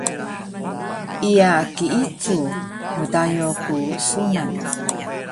Iya kiicu! Mdayo ku sunan